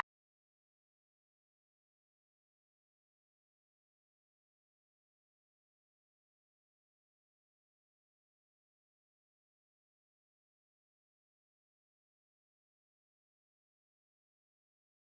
โดยการติดต่อไปก็จะเกิดขึ้นการติดต่อไป